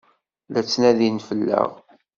La ttnadiɣ fell-as.